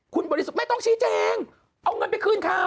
คุณบริสุทธิ์ไม่ต้องชี้แจงเอาเงินไปคืนเขา